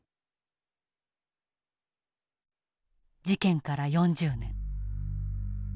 事件から４０年。